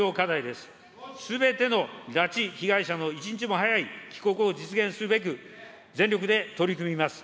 すべての拉致被害者の一日も早い帰国を実現するべく、全力で取り組みます。